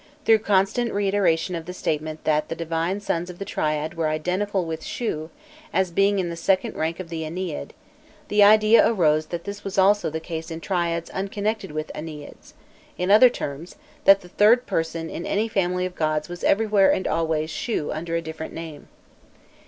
Through constant reiteration of the statement that the divine sons of the triads were identical with Shû, as being in the second rank of the Ennead, the idea arose that this was also the case in triads unconnected with Enneads; in other terms, that the third person in any family of gods was everywhere and always Shû under a different name.